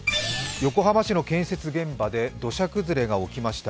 横浜市の建設現場で土砂崩れが起きました。